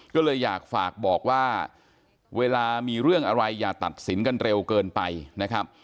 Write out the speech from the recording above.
ก็เลยอยากฝากบอกว่าเวลามีเรื่องอะไรอย่าตัดสินกันเร็วเกินไปนะครับ